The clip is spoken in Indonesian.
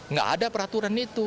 tidak ada peraturan itu